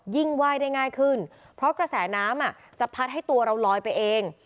ไหว้ได้ง่ายขึ้นเพราะกระแสน้ำจะพัดให้ตัวเราลอยไปเอง